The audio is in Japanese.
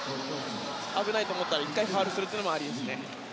危ないと思ったら１回ファウルするのもありです。